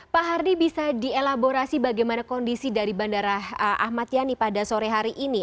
pak hardy bisa dielaborasi bagaimana kondisi dari bandara ahmad yani pada sore hari ini